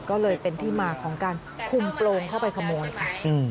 ก็เลยเป็นที่มาของการคุมโปรงเข้าไปขโมยค่ะ